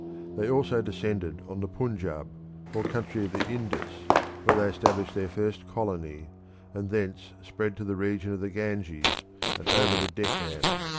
They also descended on the Punjab, or country of the Indus, where they established their first colony, and thence spread to the region of the Ganges, and over the Deccan.